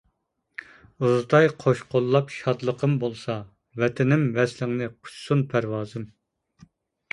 ئۇزىتاي قوش قوللاپ شادلىقىم بولسا، ۋەتىنىم ۋەسلىڭنى قۇچسۇن پەرۋازىم.